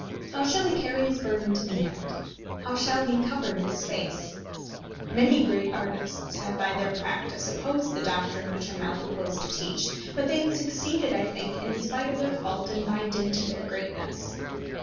How shall he carry his burden to the end? How shall he cover his space? Many great artists have by their practice opposed the doctrine which I now propose to preach; but they have succeeded I think in spite of their fault and by dint of their greatness.